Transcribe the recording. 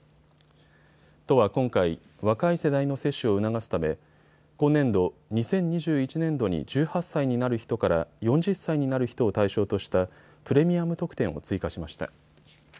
都は今回、若い世代の接種を促すため今年度、２０２１年度に１８歳になる人から４０歳になる人を対象としたプレミアム特典を追加しました。